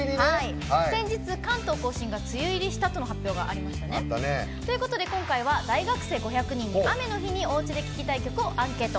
先日、関東・甲信が梅雨入りしたとの発表がありましたね。ということで今回は大学生５００人に「雨の日におうちで聴きたい曲」をアンケート！